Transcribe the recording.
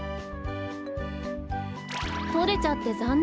とれちゃってざんねんでしたね。